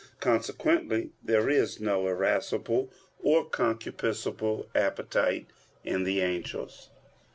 Consequently there is no irascible or concupiscible appetite in the angels.